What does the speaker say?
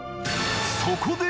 そこで。